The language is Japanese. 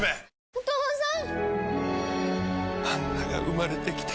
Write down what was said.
お父さん！